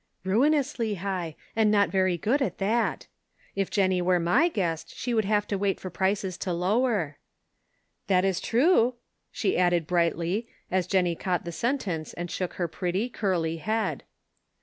" Ruinously high, and not very good at that." If Jennie were my guest, she would have to wait for prices to lower." "That is true," she added, brightly, as Jennie caught the sentence and shook her pretty, curly head.